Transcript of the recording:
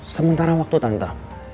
sementara waktu tante